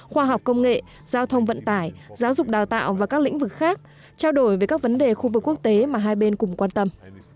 khoa học công nghệ giao thông vận tải giáo dục đào tạo và các lĩnh vực khác trao đổi về các vấn đề khu vực quốc tế mà hai bên cùng quan tâm